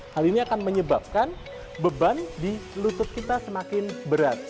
hal ini akan menyebabkan beban di lutut kita semakin berat